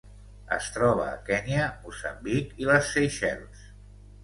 Es troba a Kenya, Moçambic i les Seychelles.